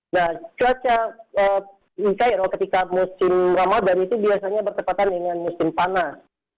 nah cuaca di cairo ketika musim ramadan itu biasanya bertepatan dengan musim ramadan